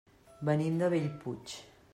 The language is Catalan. Venim de Bellpuig.